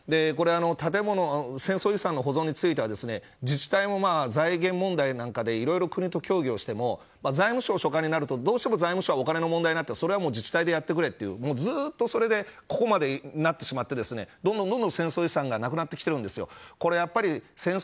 建物、戦争遺産の保存については自治体の財源問題で国と協議をしても財務省所管になると財務省は、お金の問題なって自治体でやってくれとずっとここまでになってしまってどんどん戦争遺産がなくなってきてるんです。